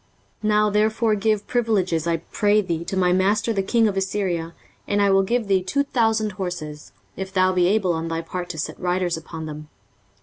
23:036:008 Now therefore give pledges, I pray thee, to my master the king of Assyria, and I will give thee two thousand horses, if thou be able on thy part to set riders upon them.